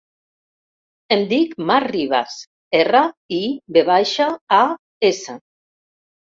Em dic Mar Rivas: erra, i, ve baixa, a, essa.